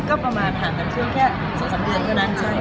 ก็ประมาณห่างกันเพียงแค่๒๓เดือนเท่านั้น